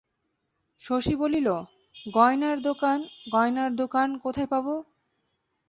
শশী বলিল, গয়নার দোকান গয়নার দোকান কোথায় পাব?